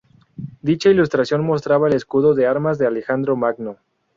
Dicha ilustración mostraba el escudo de armas de Alejandro Magno.